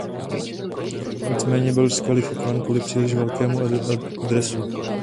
Nicméně byl diskvalifikován kvůli příliš velkému dresu.